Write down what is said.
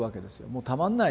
もうたまんない。